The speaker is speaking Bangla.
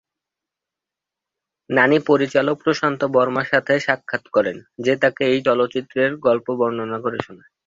নানি পরিচালক প্রশান্ত বর্মা সাথে সাক্ষাৎ করেন, যে তাকে এই চলচ্চিত্রের গল্প বর্ণনা করে শুনায়।